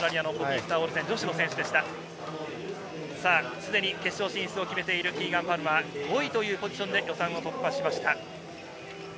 すでに決勝進出を決めているキーガン・パルマー、５位というポジションで予選を突破しました。